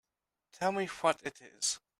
Tell me what it is.